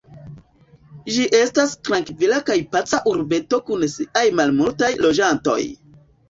Ĝi estas trankvila kaj paca urbeto kun siaj malmultaj loĝantoj.